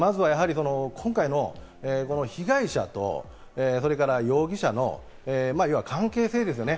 今回の被害者と容疑者の関係性ですよね。